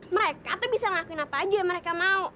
mereka tuh bisa ngelakuin apa aja mereka mau